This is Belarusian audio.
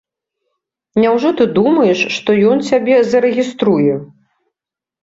Няўжо ты думаеш, што ён цябе зарэгіструе?